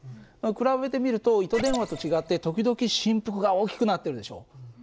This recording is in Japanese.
比べてみると糸電話と違って時々振幅が大きくなってるでしょ？